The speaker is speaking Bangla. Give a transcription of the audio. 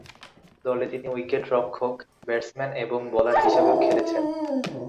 দলে তিনি উইকেট-রক্ষক, ব্যাটসম্যান এবং বোলার হিসেবেও খেলেছেন।